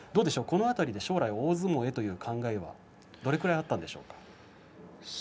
この辺りは将来、大相撲でという考えはどれくらいあったんでしょうか？